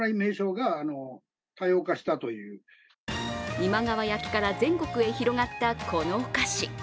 今川焼きから全国へ広がったこのお菓子。